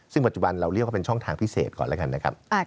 ซึ่งปัจจุบันเราเรียกว่าเป็นช่องทางพิเศษก่อนแล้วกันนะครับ